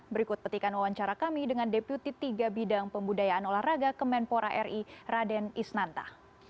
berikut petikan wawancara kami dengan deputi tiga bidang pembudayaan olahraga kemenpora ri raden isnanta